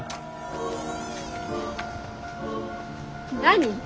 何？